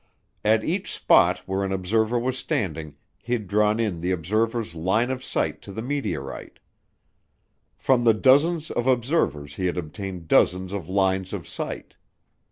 At each spot where an observer was standing he'd drawn in the observer's line of sight to the meteorite. From the dozens of observers he had obtained dozens of lines of sight.